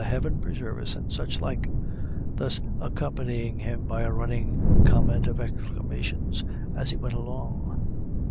"Heaven preserve us!" and such like, thus accompanying him by a running comment of exclamations as he went along.